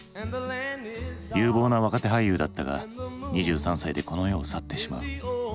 有望な若手俳優だったが２３歳でこの世を去ってしまう。